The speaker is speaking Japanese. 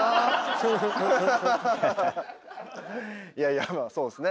いやいやまあそうですね。